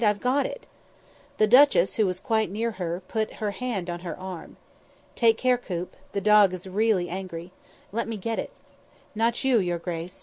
"I've got it!" The duchess, who was quite near her, put her hand on her arm. "Take care, Coop. The dog is really angry. Let me get it." "Not you, your grace.